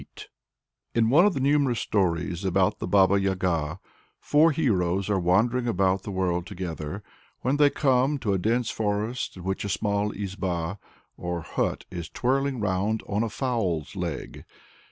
In one of the numerous stories about the Baba Yaga, four heroes are wandering about the world together; when they come to a dense forest in which a small izba, or hut, is twirling round on "a fowl's leg."